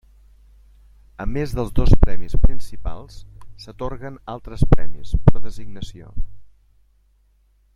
A més dels dos premis principals, s'atorguen altres premis, per designació.